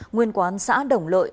nguyên quán xã đồng lợi